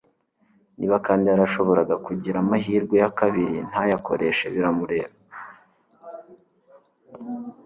niba kandi yarashoboraga kugira amahirwe ya kabiri ntayakoreshe bira mureba